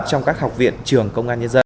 trong các học viện trường công an nhân dân